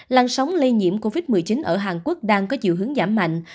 lan sóng lây nhiễm covid một mươi chín ở hàn quốc đang có chiều hướng giảm mạnh